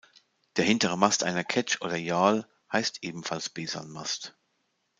Der hintere Mast einer Ketsch oder Yawl heißt ebenfalls Besanmast.